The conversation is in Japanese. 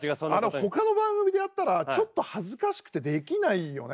ほかの番組でやったらちょっと恥ずかしくてできないよね。